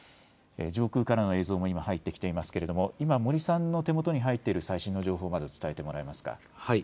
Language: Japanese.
上空からの映像も今、入ってきてますけれども今、森さんの手元に入っている情報を伝えてもらえますか。